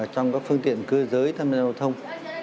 trong các phương tiện cư giới tham gia đồng thông